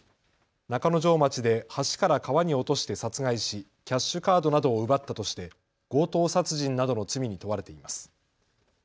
中之条町で橋から川に落として殺害しキャッシュカードなどを奪ったとして強盗殺人などの罪に問われています。